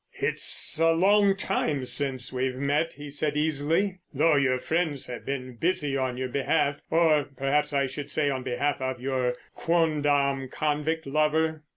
"It's a long time since we've met," he said easily. "Though your friends have been busy on your behalf—or perhaps I should say on behalf of your quondam convict lover."